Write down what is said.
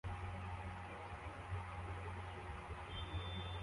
Imbwa imwe yirabura yirukanye iyindi mubyatsi hafi yumuhanda uherutse kugwa urubura